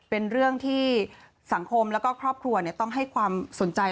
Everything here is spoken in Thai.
เป็นเรื่องที่สังคมแล้วก็ครอบครัวต้องให้ความสนใจ